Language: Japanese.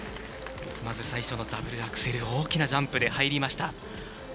まず最初のダブルアクセル大きなジャンプで入りました。